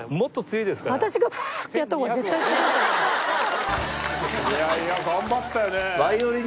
いやいや頑張ったよね。